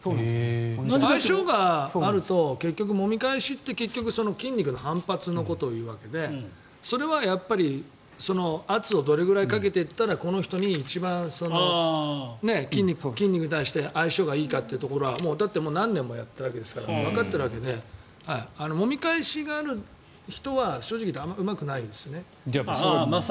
相性が合うともみ返しって結局、筋肉の反発のことを言うわけでそれは圧をどれくらいかけていったらこの人に一番、筋肉に対して相性がいいかというのはだって何年もやってるからわかっているわけでもみ返しがある人は正直うまくないですよね。